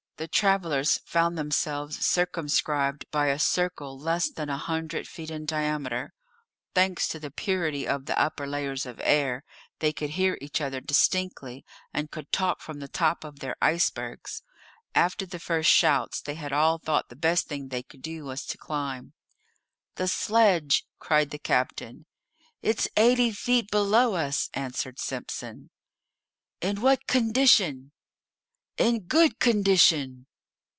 The travellers found themselves circumscribed by a circle less than a hundred feet in diameter. Thanks to the purity of the upper layers of air, they could hear each other distinctly, and could talk from the top of their icebergs. After the first shots they had all thought the best thing they could do was to climb. "The sledge!" cried the captain. "It's eighty feet below us," answered Simpson. "In what condition?" "In good condition."